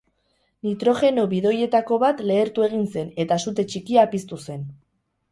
Nitrogeno bidoietako bat lehertu egin zen, eta sute txikia piztu zen.